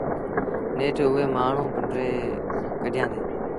نيٺ اُئي مآڻهوٚٚݩ پنڊريٚ ڪڍيآݩدي